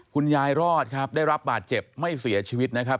รอดครับได้รับบาดเจ็บไม่เสียชีวิตนะครับ